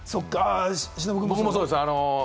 僕もそうです。